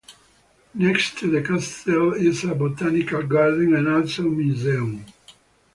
Next to the castle is a botanical garden and also a museum.